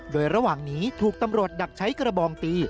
โดยระหว่างนี้ถูกตำรวจดักใช้กระบองตี